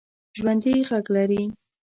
ژوندي غږ لري